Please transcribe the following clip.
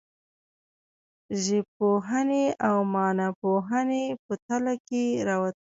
ژبپوهنې او معناپوهنې په تله کې راوتلي.